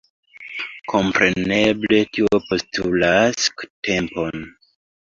Kompreneble tio postulas tempon.